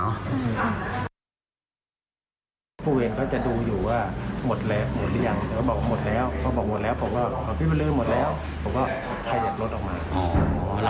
บริเวณก็จะดูอยู่ว่าหมดแล้วหมดหรือยังแต่ว่าหมดแล้วเขาบอกหมดแล้วผมก็พี่มันลืมหมดแล้วผมก็ขยับรถออกมา